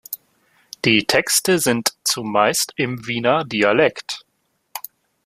Die Texte sind zumeist im Wiener Dialekt.